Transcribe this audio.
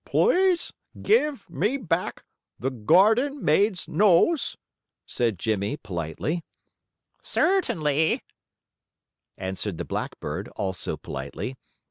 "Please give me back the garden maid's nose," said Jimmie, politely. "Certainly," answered the blackbird, also politely.